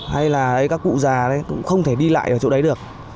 hay là các cụ già cũng không thể đi lại ở chỗ đấy được